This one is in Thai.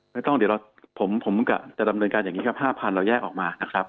ไม่ต้องเดี๋ยวผมจะดำเนินการอย่างนี้ครับ๕๐๐เราแยกออกมานะครับ